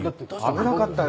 危なかったよ